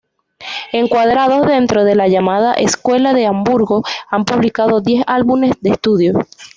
Encuadrados dentro de la llamada Escuela de Hamburgo, han publicado diez álbumes de estudio.